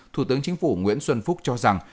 thủ tướng chính phủ nguyễn xuân phúc cho rằng